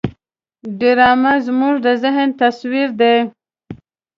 ډرامه زموږ د ذهن تصویر دی